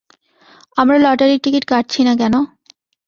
আমরা লটারির টিকিট কাটছি না কেন?